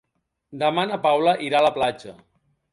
Demà na Paula irà a la platja.